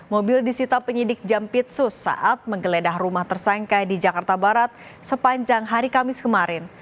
mobil disita penyidik jampitsus saat menggeledah rumah tersangka di jakarta barat sepanjang hari kamis kemarin